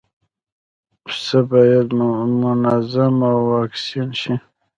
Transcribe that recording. پسه باید منظم واکسین شي.